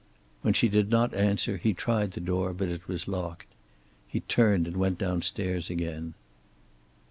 When she did not answer he tried the door, but it was locked. He turned and went downstairs again...